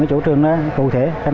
cái chủ trương đó cụ thể